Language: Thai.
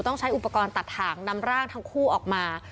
ใช้อุปกรณ์ตัดถ่างนำร่างทั้งคู่ออกมา